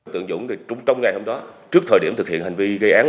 tượng dũng trong ngày hôm đó trước thời điểm thực hiện hành vi gây án